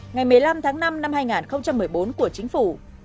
ngày một mươi năm tháng năm năm hai nghìn một mươi bốn của chính phủ